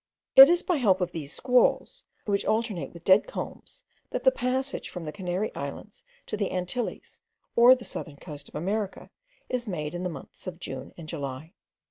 It is by help of these squalls, which alternate with dead calms, that the passage from the Canary Islands to the Antilles, or southern coast of America, is made in the months of June and July.